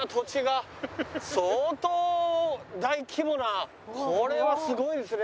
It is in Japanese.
相当大規模なこれはすごいですね。